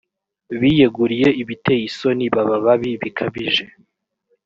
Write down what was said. biyegurira ibiteye isoni baba babi bikabije